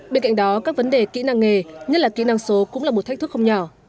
bên cạnh đó các vấn đề kỹ năng nghề nhất là kỹ năng số cũng là một thách thức không nhỏ